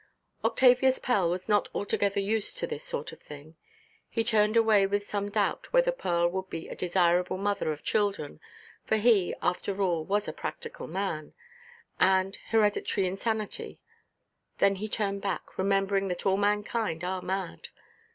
Octavius Pell was not altogether used to this sort of thing. He turned away with some doubt whether Pearl would be a desirable mother of children (for he, after all, was a practical man), and hereditary insanity—— Then he turned back, remembering that all mankind are mad.